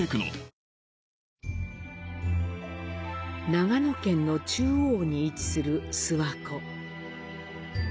長野県の中央に位置する諏訪湖。